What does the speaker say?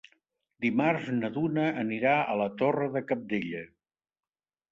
Dimarts na Duna anirà a la Torre de Cabdella.